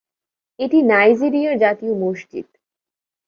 এটি নাইজেরিয়ার জাতীয় মসজিদ।